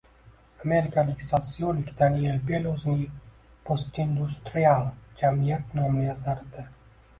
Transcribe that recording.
Amerikalik sosiolog Deniel Bell o`zining Postindustrial jamiyat nomli asarida